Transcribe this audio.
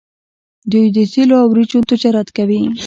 دوی د تیلو او وریجو تجارت کوي.